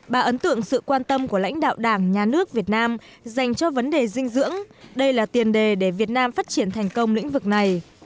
bà ấn tượng sự quan tâm của lãnh đạo đảng nhà nước việt nam dành cho vấn đề dinh dưỡng đây là tiền đề để việt nam phát triển thành công lĩnh vực này